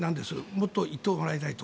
もっと行ってもらいたいと。